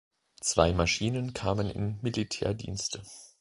Zwei Maschinen kamen in Militärdienste.